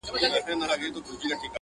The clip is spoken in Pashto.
ورته وگورې په مــــــيـــنـــه!